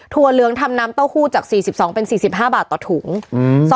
เหลืองทำน้ำเต้าหู้จากสี่สิบสองเป็นสี่สิบห้าบาทต่อถุงอืม